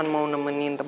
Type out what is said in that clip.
temanmu masih sakit kakak